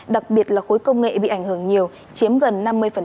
đặc biệt là khối công nghệ bị ảnh hưởng nhiều chiếm gần năm mươi